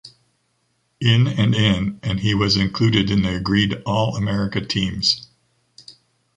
In and in and he was included in the agreed All-America teams.